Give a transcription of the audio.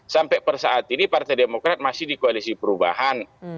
sampai persaat ini partai demokrat masih di koalisi perubahan